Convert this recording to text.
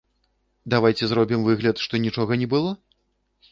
Давайце зробім выгляд, што нічога не было?